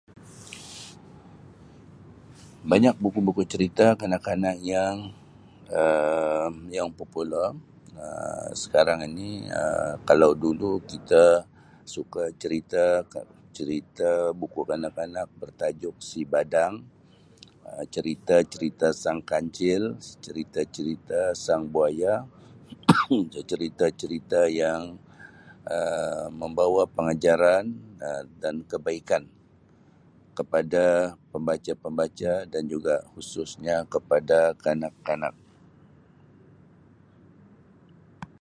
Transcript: Banyak buku-buku cerita kanak-kanak yang Um yang popular Um sekarang ini Um kalau dulu kita suka cerita cerita buku kanak-kanak bertajuk si Badang Um cerita-cerita Sang Kancil cerita-cerita Sang Buaya cerita-cerita yang Um membawa pengajaran Um dan kebaikan kepada pembaca-pembaca dan khususnya kepada kanak-kanak.